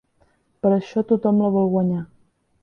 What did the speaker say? Per això tothom la vol guanyar.